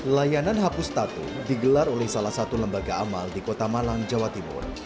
layanan hapus tatu digelar oleh salah satu lembaga amal di kota malang jawa timur